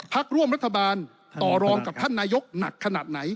พักร่วมรัฐบาลต่อรองกับท่านนายกหนักขนาดไหน